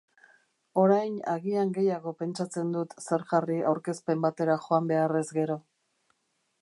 Orain agian gehiago pentsatzen dut zer jarri aurkezpen batera joan beharrez gero.